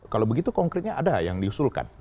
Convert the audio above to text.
kalau begitu konkretnya ada yang diusulkan